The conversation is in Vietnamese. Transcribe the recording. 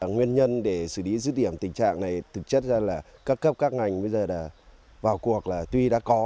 nguyên nhân để xử lý dứt điểm tình trạng này thực chất ra là các cấp các ngành bây giờ vào cuộc tuy đã có